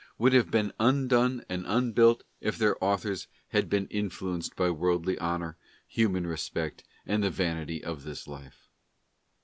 "would have been undone and unbuilt, if their authors had not been influenced by worldly honour, human respect, and the vanity of this life?